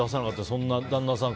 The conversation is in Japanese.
そんな、旦那さん